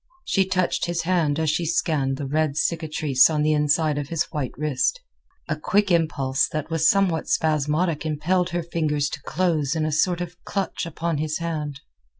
She touched his hand as she scanned the red cicatrice on the inside of his white wrist. A quick impulse that was somewhat spasmodic impelled her fingers to close in a sort of clutch upon his hand.